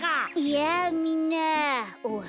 やあみんなおはよう。